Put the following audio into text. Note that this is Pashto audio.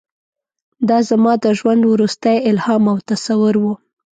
دا زما د ژوند وروستی الهام او تصور و.